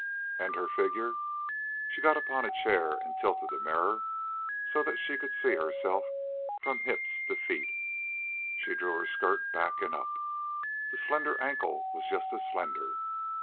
And her figure! She got upon a chair and tilted the mirror so that she could see herself from hips to feet. She drew her skirt back and up. The slender ankle was just as slender.